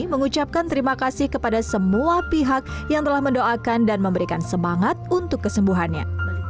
mengucapkan terima kasih kepada semua pihak yang telah mendoakan dan memberikan semangat untuk kesembuhannya